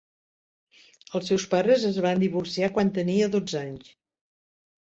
Els seus pares es van divorciar quan tenia dotze anys.